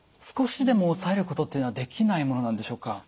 少しでも抑えることっていうのはできないものなんでしょうか？